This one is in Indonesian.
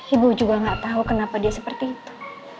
ibu juga gak tahu kenapa dia seperti itu